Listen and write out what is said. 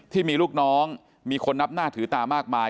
ที่มีลูกน้องมีคนนับหน้าถือตามากมาย